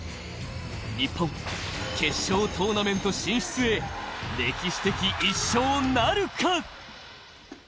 日本決勝トーナメント進出へ歴史的１勝なるか。